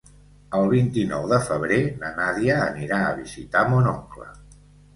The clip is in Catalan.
El vint-i-nou de febrer na Nàdia anirà a visitar mon oncle.